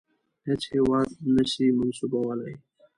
هیڅ هیواد نه سي منسوبولای.